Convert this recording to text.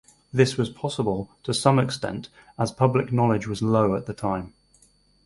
This was possible to some extent as public knowledge was low at the time.